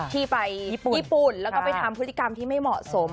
ที่ไปญี่ปุ่นญี่ปุ่นแล้วก็ไปทำพฤติกรรมที่ไม่เหมาะสม